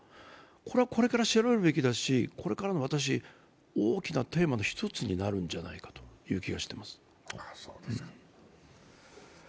これはこれから調べるべきだし、これからの大きなテーマの１つになるんじゃないかという気がしています。